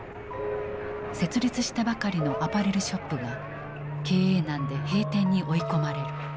設立したばかりのアパレルショップが経営難で閉店に追い込まれる。